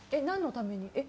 何のために？